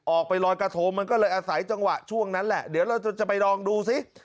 ออกไปลอยกระทงมันก็เลยอาศัยจังหวะช่วงนั้นแหละเดี๋ยวเราจะไปลองดูซิ